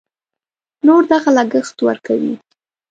نور دغه لګښت ورکوي.